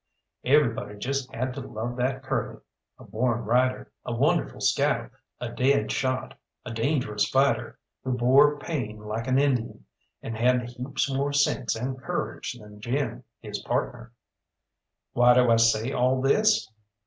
Everybody just had to love that Curly a born rider, a wonderful scout, a dead shot, a dangerous fighter, who bore pain like an Indian, and had heaps more sense and courage than Jim his partner. Why do I say all this?